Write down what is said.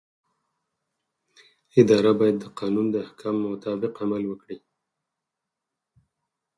اداره باید د قانون د احکامو مطابق عمل وکړي.